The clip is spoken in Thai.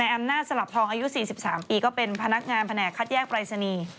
อำนาจสลับทองอายุ๔๓ปีก็เป็นพนักงานแผนกคัดแยกปรายศนีย์